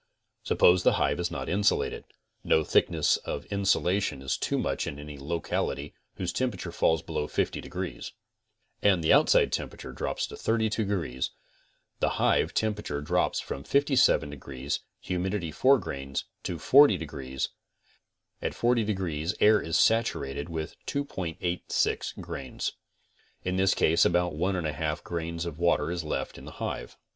Suppose the hive is not insulated (no thickness of insolation is too much in any locality whose temperature falls below 50 de grees) and the outside temperature drops to 32 degrees, the hive temperature drops from 57 degrees, humidity 4 grains, to 40 dgrees; at 40 degrees air is saturated with 2.86 eae In this case about 1 1 2 grains of water is left in the hive.